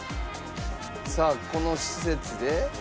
さあこの施設で。